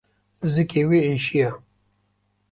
Zikê wê êşiya.